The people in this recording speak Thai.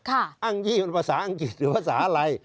อ้างยี่เป็นภาษาอังกฤษหรือภาษาอะไร